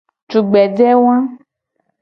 Tugbeje wa.